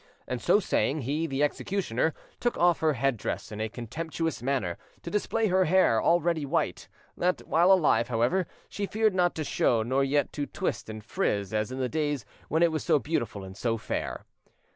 And, so saying, he (the executioner) took off her headdress, in a contemptuous manner, to display her hair already white, that while alive, however, she feared not to show, nor yet to twist and frizz as in the days when it was so beautiful and so fair.